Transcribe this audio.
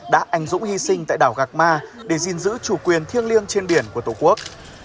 đã ảnh dũng hy sinh tại đảo gạc ma để gìn giữ chủ quyền thiêng liêng trên biển của tổ quốc